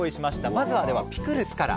まずはではピクルスから。